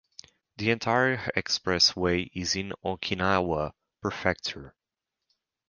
The entire expressway is in Okinawa Prefecture.